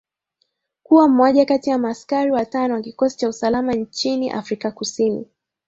Kuwa moja kati ya maaskari watano wa kikosi cha usalama nchiini Afrika Kusini